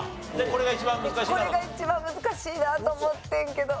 これが一番難しいなと思ってんけど。